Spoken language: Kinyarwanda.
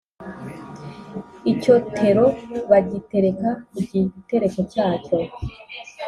Icyotero bagitereka ku gitereko cyacyo